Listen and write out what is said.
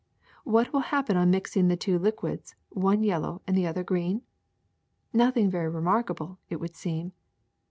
What will happen on mixing the two liquids, one yellow and the other green 1 Nothing very remarkable, it would seem.